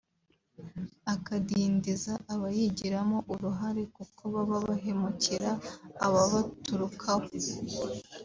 ikadindiza abayigiramo uruhare kuko baba bahemukira abababaturukaho